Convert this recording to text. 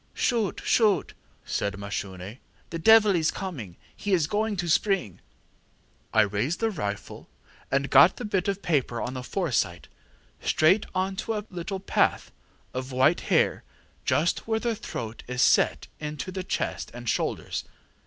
ŌĆ£ŌĆśShoot, shoot! ŌĆÖ said Mashune. ŌĆśThe devil is coming he is going to spring! ŌĆÖ ŌĆ£I raised the rifle, and got the bit of paper on the foresight, straight on to a little path of white hair just where the throat is set into the chest and shoulders.